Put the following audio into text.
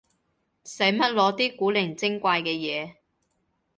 使乜攞啲古靈精怪嘅嘢